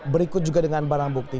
berikut juga dengan barang bukti